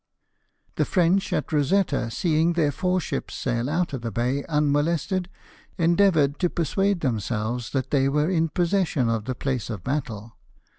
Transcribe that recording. The French at Rosetta, seeing their four ships sail out of the bay unmolested, en deavoured to persuade themselves that they were in possession of the place of battle.